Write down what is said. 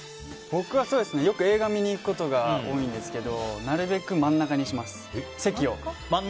僕はよく映画を見に行くことが多いんですけどなるべく真ん中にします、責を。